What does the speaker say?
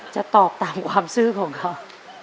จะตอบตามความซื่อของเขา